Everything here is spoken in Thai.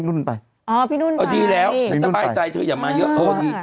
นุ่นไปอ๋อพี่นุ่นไปอ๋อดีแล้วสบายใจเธออย่ามาเยอะอ๋อพอ